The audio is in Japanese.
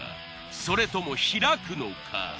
それとも開くのか？